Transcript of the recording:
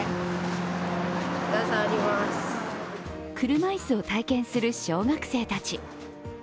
車いすを体験する小学生たち。